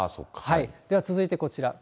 では続いてこちら。